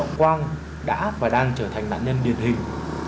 tình trạng quang đã và đang trở thành nạn nhân điển hình